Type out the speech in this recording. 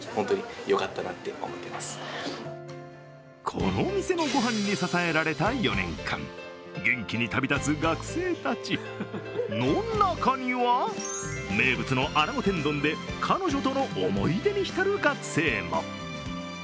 このお店のご飯に支えられた４年間元気に旅立つ学生たち、の中には名物の穴子天丼で彼女との思い出にひたる学生も。